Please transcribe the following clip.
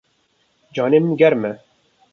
Canê min germ e.